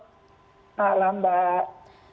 selamat malam mbak